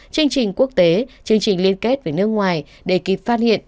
chương trình quốc tế chương trình liên kết với nước ngoài để kịp phát hiện